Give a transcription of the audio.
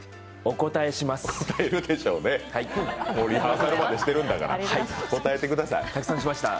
応えるでしょうね、リハーサルまでしてるんだから応えてください。